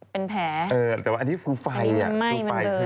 เป็นแผลอันนี้มันไหม้มันเดินมันก็ต้องไหม้หมดนะ